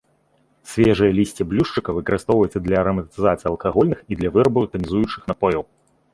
Свежае лісце блюшчыка выкарыстоўваюцца для араматызацыі алкагольных і для вырабу танізуючых напояў.